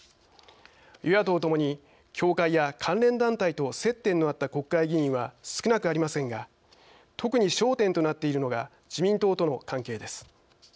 与野党ともに教会や関連団体と接点のあった国会議員は少なくありませんが特に焦点となっているのが自民党との関係です。